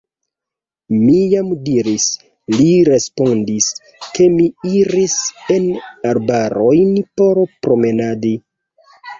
Mi jam diris, li respondis, ke mi iris en arbarojn por promenadi.